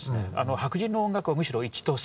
白人の音楽はむしろ１と３。